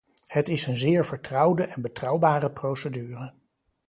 Het is een zeer vertrouwde en betrouwbare procedure.